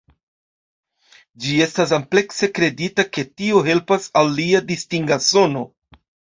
Ĝi estas amplekse kredita ke tio helpas al lia distinga sono.